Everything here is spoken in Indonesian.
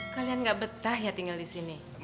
kalian gak betah ya tinggal di sini